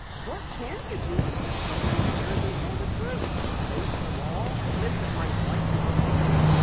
"What can you do except go downstairs and tell the truth?" "Face them all? Admit that my wife is a thief?"